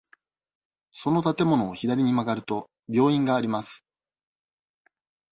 その建物を左に曲がると、病院があります。